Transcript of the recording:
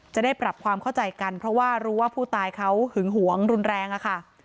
จะได้ปรับความเข้าใจกันเพราะว่ารู้ว่าผู้ตายเขาหึงหวงรุนแรงค่ะ